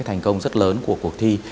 thành công rất lớn của cuộc thi